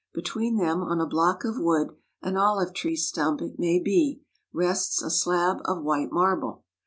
Between them on a block of wood, an olive tree stump it may be, rests a slab of white marble.